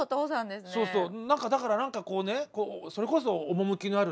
何かだから何かこうねそれこそ趣のあるね